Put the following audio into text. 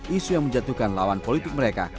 isu yang menjatuhkan lawan politik mereka